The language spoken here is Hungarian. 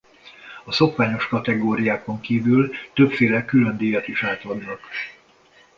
A szokványos kategóriákon kívül többféle különdíjat is átadnak.